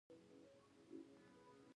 ایا خدای دې تاسو اباد لري؟